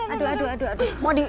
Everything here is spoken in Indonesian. aduh aduh aduh